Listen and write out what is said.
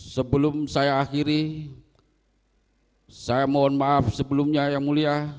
sebelum saya akhiri saya mohon maaf sebelumnya yang mulia